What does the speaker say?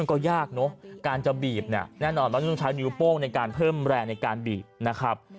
ก็ยากเนอะการจะบีบเนี่ยแน่นอนว่าต้องใช้นิ้วโป้งในการเพิ่มแรงในการบีบนะครับ